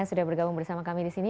sudah bergabung bersama kami di sini